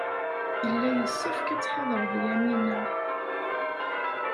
Yella yessefk ad tḥadreḍ Yamina.